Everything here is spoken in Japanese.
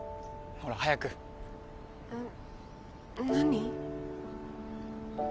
ほら早くえっ何？